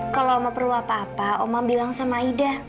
kalau mama perlu apa apa mama bilang sama aida